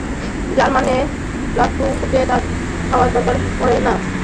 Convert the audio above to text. যার মনে লাড্ডু ফুটে তার খাওয়ার দরকার পরে না।